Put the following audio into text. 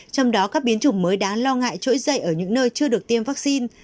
trong đó các biến chủng mới đã lo ngại trỗi dậy ở những nơi chưa được tiêm vaccine